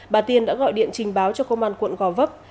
bà tiên đã gọi điện trình báo cho công an quận gò vấp